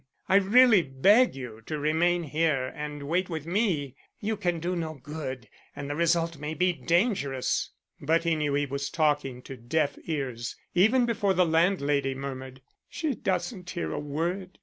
"I really beg you to remain here and wait with me. You can do no good and the result may be dangerous." But he knew he was talking to deaf ears even before the landlady murmured: "She doesn't hear a word.